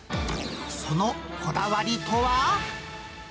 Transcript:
そのこだわりとは。